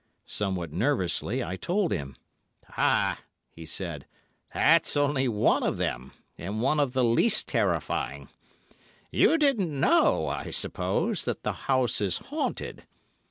Somewhat nervously, I told him. 'Ah,' he said, 'that's only one of them, and one of the least terrifying. You didn't know, I suppose, that the house is haunted.